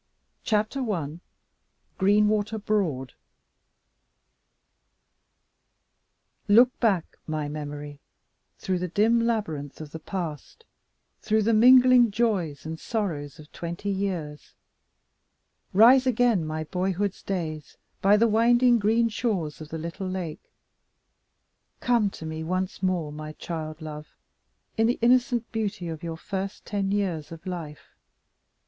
CHAPTER I. GREENWATER BROAD LOOK back, my memory, through the dim labyrinth of the past, through the mingling joys and sorrows of twenty years. Rise again, my boyhood's days, by the winding green shores of the little lake. Come to me once more, my child love, in the innocent beauty of your first ten years of life.